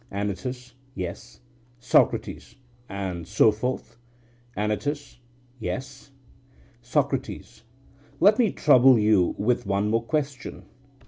ANYTUS: Yes. SOCRATES: And so forth? ANYTUS: Yes. SOCRATES: Let me trouble you with one more question.